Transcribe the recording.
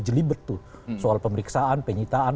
jelibet tuh soal pemeriksaan penyitaan